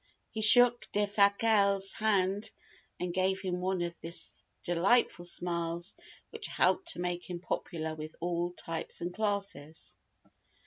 He shook Defasquelle's hand and gave him one of the delightful smiles which helped to make him popular with all types and classes.